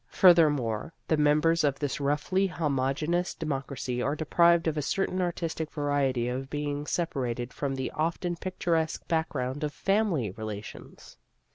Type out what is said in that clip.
Furthermore, the members of this roughly homogeneous democracy are deprived of a certain artistic variety by being sepa rated from the often picturesque back ground of family relations.